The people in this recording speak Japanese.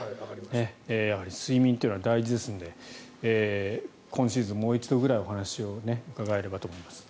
やはり睡眠というのは大事ですので今シーズンもう一度ぐらいお話を伺えればと思います。